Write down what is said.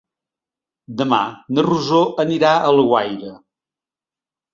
Demà na Rosó anirà a Alguaire.